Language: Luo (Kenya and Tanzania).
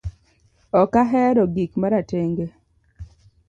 Ok ahero gik maratenge